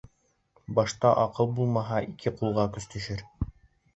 Башта аҡыл булмаһа, ике ҡулға көс төшөр.